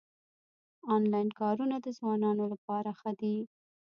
انلاین کارونه د ځوانانو لپاره ښه دي